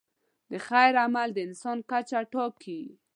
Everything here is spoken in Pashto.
د خیر عمل د انسان کچه ټاکي.